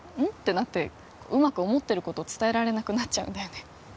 うん？ってなってうまく思ってること伝えられなくなっちゃうんだよね